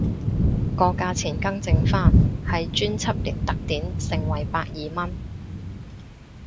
個價錢更正返係專輯連特典盛惠百二蚊